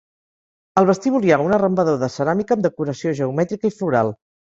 Al vestíbul hi ha un arrambador de ceràmica amb decoració geomètrica i floral.